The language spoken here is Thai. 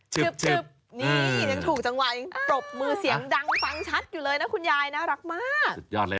นี่ยังถูกจังหวะยังปรบมือเสียงดังฟังชัดอยู่เลยนะคุณยายน่ารักมากสุดยอดเลย